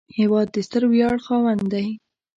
هېواد د ستر ویاړ خاوند دی